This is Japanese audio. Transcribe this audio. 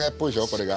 これが。